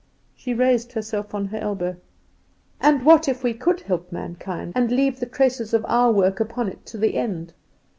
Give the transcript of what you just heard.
She raised herself on her elbow. "And what if we could help mankind, and leave the traces of our work upon it to the end?